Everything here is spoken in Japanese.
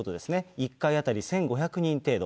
１回当たり１５００人程度。